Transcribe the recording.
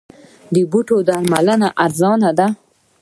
د بوټو درملنه ارزانه ده؟